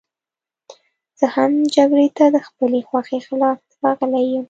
زه هم جګړې ته د خپلې خوښې خلاف راغلی یم